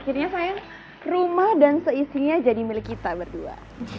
akhirnya sayang rumah dan seisinya jadi milik kita berdua